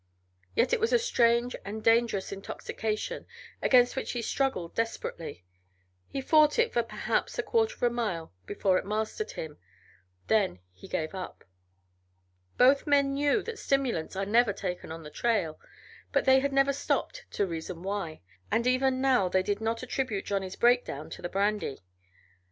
Yet it was a strange and dangerous intoxication, against which he struggled desperately. He fought it for perhaps a quarter of a mile before it mastered him; then he gave up. Both men knew that stimulants are never taken on the trail, but they had never stopped to reason why, and even now they did not attribute Johnny's breakdown to the brandy.